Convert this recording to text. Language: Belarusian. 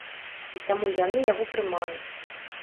І таму яны яго прымаюць.